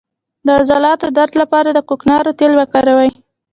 د عضلاتو درد لپاره د کوکنارو تېل وکاروئ